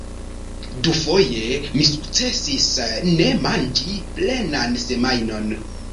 Dufoje mi sukcesis ne manĝi plenan semajnon.